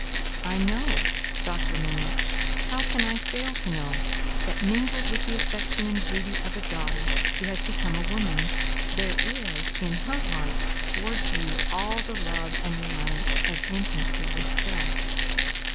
I know, Doctor Manette how can I fail to know that, mingled with the affection and duty of a daughter who has become a woman, there is, in her heart, towards you, all the love and reliance of infancy itself.